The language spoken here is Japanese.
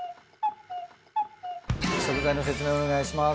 食材の説明お願いします。